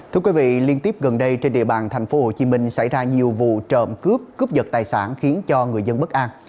thưa quý vị liên tiếp gần đây trên địa bàn thành phố hồ chí minh xảy ra nhiều vụ trộm cướp cướp giật tài sản khiến cho người dân bất an